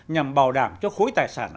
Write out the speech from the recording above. nhằm bảo đảm cho khối tài sản